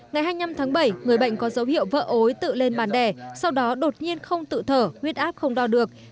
ngày hai mươi năm tháng bảy người bệnh có dấu hiệu vỡ ối tự lên bàn đẻ sau đó đột nhiên không tự thở huyết áp không đo được